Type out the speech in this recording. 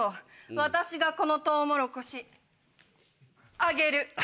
私がこのトウモロコシ揚げる。